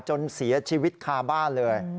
จนเสียชีวิตคาบ้านเลย